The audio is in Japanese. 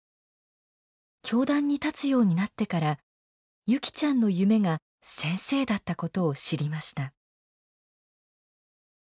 教壇に立つようになってから優希ちゃんの夢が先生だったことを知りました。